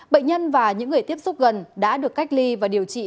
bệnh nhân và những người tiếp xúc gần đã được cách ly và điều trị